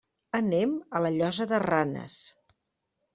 Anem a la Llosa de Ranes.